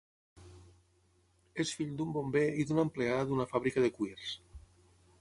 És fill d'un bomber i d'una empleada d'una fàbrica de cuirs.